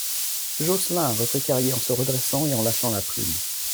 Jocelyn ! reprit Carrier en se redressant et en lâchant la plume.